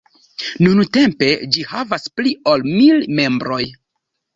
Nuntempe ĝi havas pli ol mil membroj.